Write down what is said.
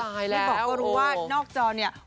ตายแล้วโอ้โฮพี่บอกก็รู้ว่านอกจอนี่